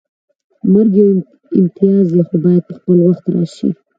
مرګ یو امتیاز دی خو باید په خپل وخت راشي